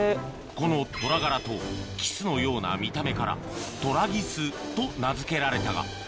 このトラ柄とキスのような見た目からトラギスと名付けられたがキスとは全く別の種類